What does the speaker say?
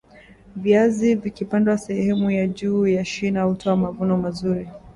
viazi vikipandwa sehemu ya juu ya shina hutoa mavuno mazuri